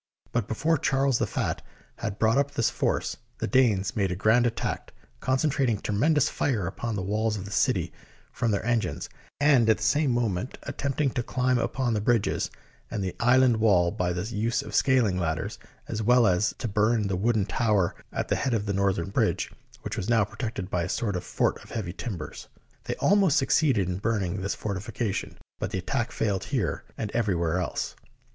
But before Charles the Fat had brought up this force, the Danes made a grand attack, concen trating tremendous fire upon the walls of the city from their engines, and at the same moment at tempting to climb upon the bridges and the island wall by the use of scaling ladders, as well as to burn the wooden tower at the head of the northern bridge, which was now protected by a sort of fort of heavy timbers. They almost succeeded in burn ing this fortification, but the attack failed here and everywhere else.